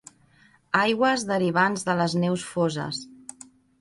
Aigües derivants de les neus foses.